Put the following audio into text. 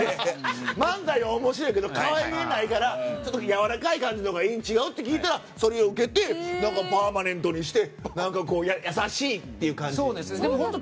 漫才は面白いけど可愛げがないからやわらかい感じのほうがいいんじゃないの？って言ったらそれを受けてパーマネントにして優しいって感じに。